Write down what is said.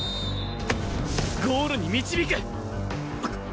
ゴールに導く！